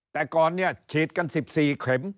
แต่ก่อนเนี่ยฉีดกัน๑๔เข็ม